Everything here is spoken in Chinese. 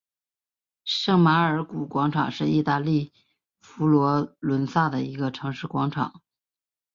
圣马尔谷广场是意大利佛罗伦萨的一个城市广场。